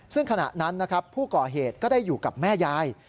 ซึ่งขณะนั้นนะครับผู้ก่อเหตุก็ได้อยู่กับแม่ยาย